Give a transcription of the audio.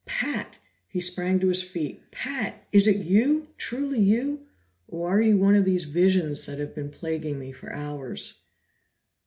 "Pat!" He sprang to his feet. "Pat! is it you truly you? Or are you one of these visions that have been plaguing me for hours?"